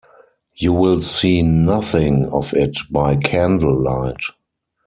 You will see nothing of it by candlelight.